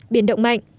biển động mạnh